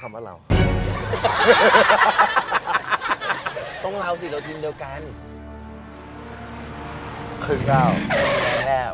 น่าจะต้องไกลแล้วแหละ